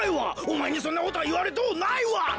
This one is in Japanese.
おまえにそんなこといわれとうないわ！